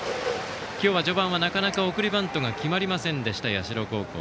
今日は序盤はなかなか送りバントが決まりませんでした、社高校。